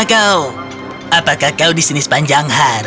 kau tahu jalanannya bukan